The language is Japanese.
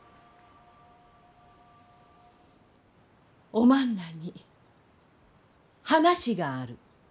おまんらに話がある。